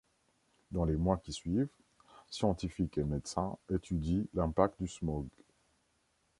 Dans les mois qui suivent, scientifiques et médecins étudient l'impact du smog.